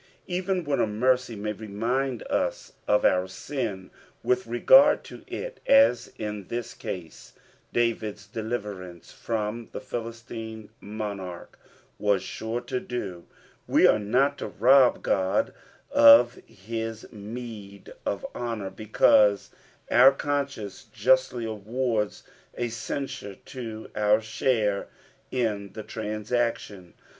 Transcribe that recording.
Even when a mercy may remind us of our sin with regard to it, as in this case David's deliverance from the Philistine monarch was sure to do, we are not to rob God of his meed of honour because our cou science jnstly awards a censure to our share in the transaction.